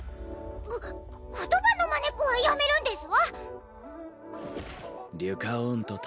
こ言葉のまねっこはやめるんですわ。